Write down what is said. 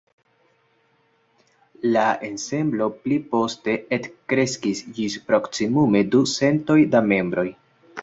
La ensemblo pli poste ekkreskis ĝis proksimume du centoj da membroj.